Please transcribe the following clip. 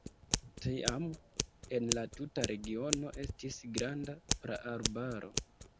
Tiam en la tuta regiono estis granda praarbaro.